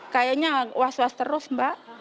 kayaknya was was terus mbak